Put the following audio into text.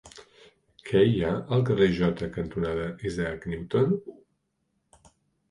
Què hi ha al carrer Jota cantonada Isaac Newton?